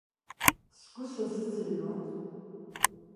Сгәы сазыӡырҩуан…